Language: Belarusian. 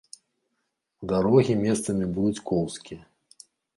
Дарогі месцамі будуць коўзкія.